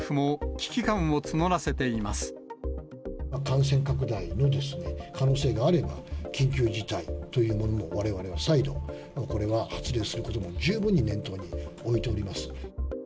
感染拡大の可能性があれば、緊急事態というものを、われわれは再度、これは発令することも十分に念頭に置いております。